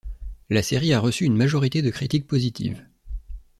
La série a reçu une majorité de critiques positives.